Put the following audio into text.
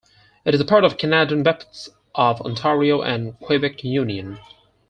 It is part of the Canadian Baptists of Ontario and Quebec union.